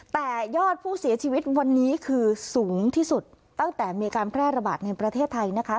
แต่ยอดผู้เสียชีวิตวันนี้คือสูงที่สุดตั้งแต่มีการแพร่ระบาดในประเทศไทยนะคะ